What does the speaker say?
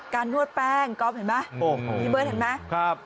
การนวดแป้งกอล์ฟเห็นไหมโอ้มีเบิ้ลเห็นไหมครับ